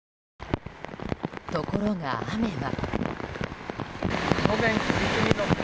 ところが雨は。